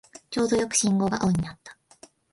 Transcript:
ちょうどよく信号が青になった